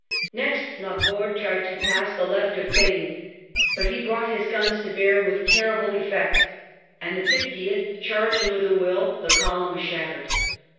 Next Laborde tried to pass the THE BATTLE OF VIMIERO left of Fane, but he brought his guns to bear with terrible effect, and the Fiftieth charging with a will, the column was shattered.